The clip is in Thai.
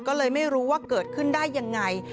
ก็เลยไม่รู้ว่าเกิดขึ้นได้ยังไง